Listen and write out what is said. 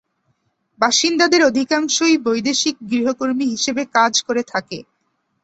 বাসিন্দাদের অধিকাংশই বৈদেশিক গৃহকর্মী হিসেবে কাজ করে থাকে।